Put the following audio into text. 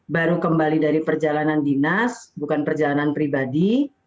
baru kembali dari perjalanan dinas bukan perjalanan pribadi